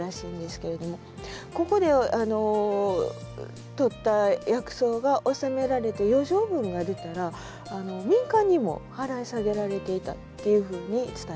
ここでとった薬草が納められて余剰分が出たら民間にも払い下げられていたっていうふうに伝えられてます。